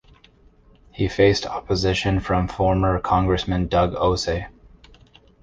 He faced opposition from former Congressman Doug Ose.